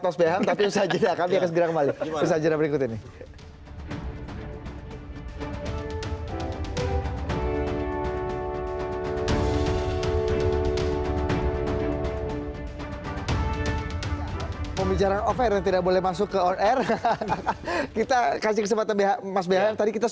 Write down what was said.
tos behang tapi usah jelas kami segera kembali usah jelas berikut ini pembelajaran oferan tidak boleh masuk ke on air hahaha